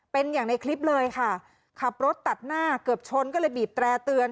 เป็นอย่างในคลิปเลยค่ะขับรถตัดหน้าเกือบชนก็เลยบีบแตร่เตือน